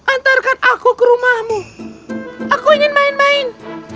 antarkan aku ke rumahmu aku ingin main main